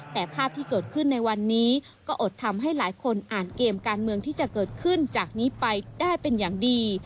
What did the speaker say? แต่ภาพที่เกิดขึ้นในวันนี้ก็อดทำให้หลายคนอ่านเกมการเมืองที่จะเกิดขึ้นจากนี้ไปได้เป็นอย่างดี